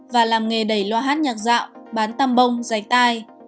và làm nghề đẩy loa hát nhạc dạo bán tăm bông dày tai